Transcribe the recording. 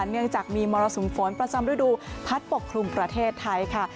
เนื่องจากมีมรสุมฝนประจำฤดูพัดปกคลุมประเทศไทยค่ะ